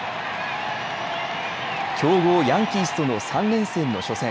強豪ヤンキースとの３連戦の初戦。